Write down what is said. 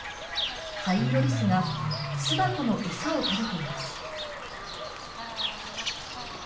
ハイイロリスが巣箱のを食べています。